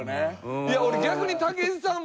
いや俺逆に武井さん